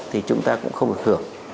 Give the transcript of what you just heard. thì chúng ta cũng không được hưởng